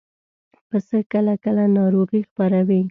پسه کله کله ناروغي خپروي.